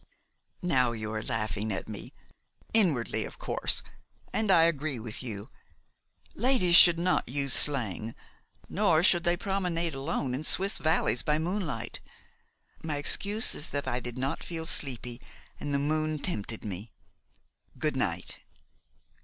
"Now you are laughing at me, inwardly of course, and I agree with you. Ladies should not use slang, nor should they promenade alone in Swiss valleys by moonlight. My excuse is that I did not feel sleepy, and the moon tempted me. Good night."